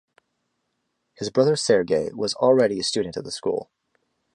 His brother Sergei was already a student at the school.